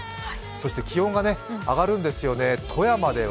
そして気温が上がるんですよね。